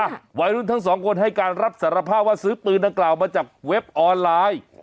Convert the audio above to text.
วัยรุ่นทั้งสองคนให้การรับสารภาพว่าซื้อปืนดังกล่าวมาจากเว็บออนไลน์